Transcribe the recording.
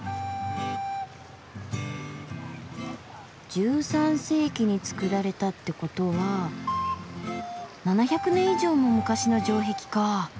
１３世紀に造られたってことは７００年以上も昔の城壁かぁ。